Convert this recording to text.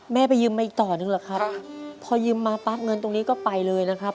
ไปยืมมาอีกต่อหนึ่งเหรอครับพอยืมมาปั๊บเงินตรงนี้ก็ไปเลยนะครับ